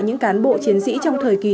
những cán bộ chiến sĩ trong thời kỳ